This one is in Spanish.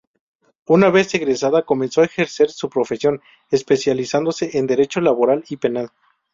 Una vez egresada comenzó a ejercer su profesión, especializándose en Derecho Laboral y Penal.